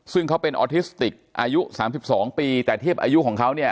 ซึ่งเขาเป็นออทิสติกอายุ๓๒ปีแต่เทียบอายุของเขาเนี่ย